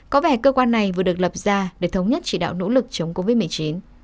có vẻ cơ quan này vừa được lập ra để thống nhất chỉ đạo nỗ lực chống covid một mươi chín